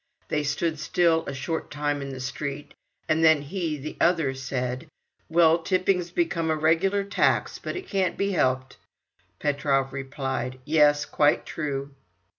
They stood still a short time in the street, and then he, the other, said: "Well, tipping"s become a regular tax. But it can't be helped." Petrov replied: "Yes, quite true."